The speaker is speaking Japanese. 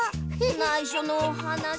ないしょのおはなし。